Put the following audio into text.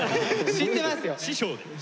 知ってますよ